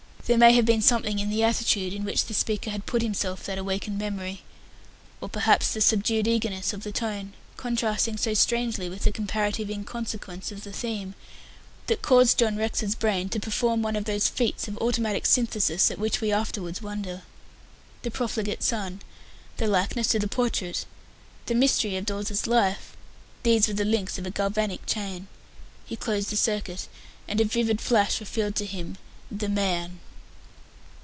There may have been something in the attitude in which the speaker had put himself that awakened memory, or perhaps the subdued eagerness of the tone, contrasting so strangely with the comparative inconsequence of the theme, that caused John Rex's brain to perform one of those feats of automatic synthesis at which we afterwards wonder. The profligate son the likeness to the portrait the mystery of Dawes's life! These were the links of a galvanic chain. He closed the circuit, and a vivid flash revealed to him THE MAN.